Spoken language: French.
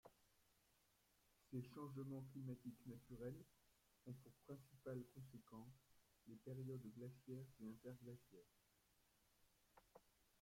Ces changements climatiques naturels ont pour principale conséquence les périodes glaciaires et interglaciaires.